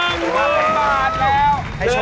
ต้องทำเป็นสามกษัตริย์นะ